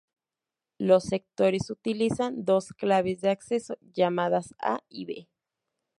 Los sectores utilizan dos claves de acceso llamadas 'A' y 'B'.